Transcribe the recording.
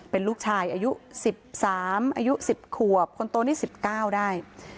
เป็นลูกชายอายุ๑๓อายุ๑๐ขวบคนโตนี่๑๙ได้